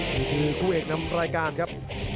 นี่คือคู่เอกนำรายการครับ